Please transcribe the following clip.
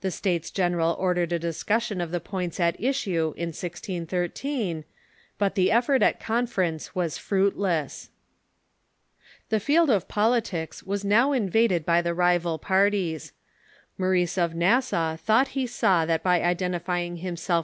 The States General ordered a discussion of the points at issue in 1013, but the ef fort at conference was fruitless. The field of politics w^as now invaded by the rival parties. Maurice of Nassau thought he saw that by identifying himself „..,>..